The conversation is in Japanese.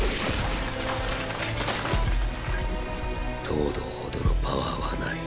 東堂ほどのパワーはない。